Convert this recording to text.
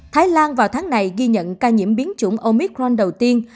thái lan vào tháng này ghi nhận ca nhiễm biến chủng omicron đầu tiên